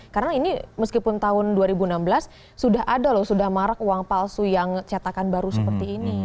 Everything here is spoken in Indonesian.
karena ini meskipun tahun dua ribu enam belas sudah ada loh sudah marak uang palsu yang cetakan baru seperti ini